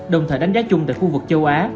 đồng thời đánh giá chung tại khu vực châu á